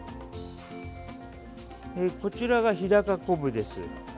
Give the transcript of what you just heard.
こちらが日高昆布です。